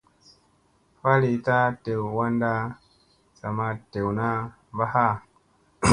Falita dew wanda sa ma dewna mba ha.